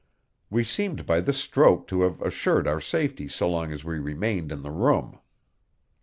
We seemed by this stroke to have assured our safety so long as we remained in the room.